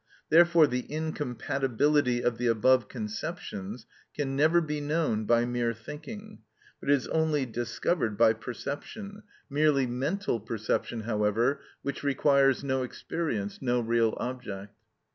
Therefore the incompatibility of the above conceptions can never be known by mere thinking, but is only discovered by perception—merely mental perception, however, which requires no experience, no real object.